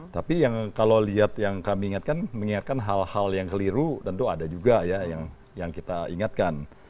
tapi yang kalau lihat yang kami ingatkan mengingatkan hal hal yang keliru tentu ada juga ya yang kita ingatkan